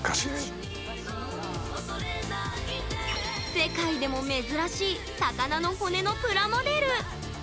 世界でも珍しい魚の骨のプラモデル。